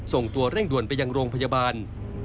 ส่งตัวเร่งด่วนไปยังโรงพยาบาล